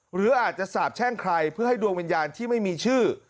หรืออาจจะสาบแช่งใครเพื่อให้ดวงวิญญาณที่ไม่มีชื่อ